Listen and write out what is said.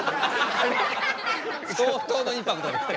相当のインパクトですね。